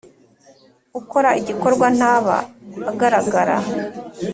ukora igikorwa ntaba agaragara